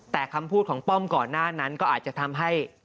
แต่คำพูดของป้อมก่อนหน้านั้นก็อาจจะทำให้